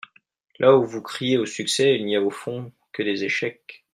Là où vous criez au succès il n’y a au fond que des échecs.